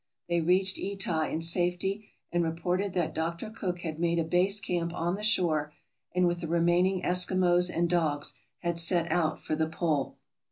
They reached Etah in safety and reported that Dr. Cook had made a base camp on the shore, and with the remaining Eskimos and dogs had set out for the pole.